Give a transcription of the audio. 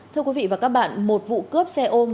thưa quý vị và các bạn một vụ cướp xe ôm với một đối tượng